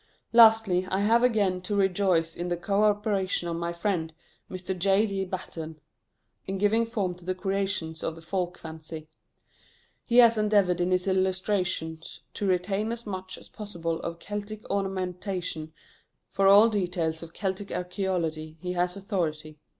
Lastly, I have again to rejoice in the co operation of my friend, Mr. J. D. Batten, in giving form to the creations of the folk fancy. He has endeavoured in his illustrations to retain as much as possible of Celtic ornamentation; for all details of Celtic archæology he has authority.